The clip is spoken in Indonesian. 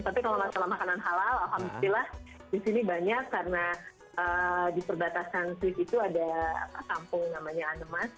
tapi kalau masalah makanan halal alhamdulillah di sini banyak karena di perbatasan swiss itu ada kampung namanya anemas